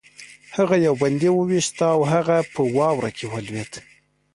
هغه یو بندي وویشت او هغه په واوره کې ولوېد